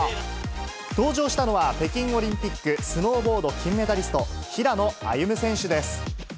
登場したのは、北京オリンピックスノーボード金メダリスト、平野歩夢選手です。